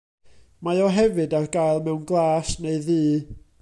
Mae o hefyd ar gael mewn glas neu ddu.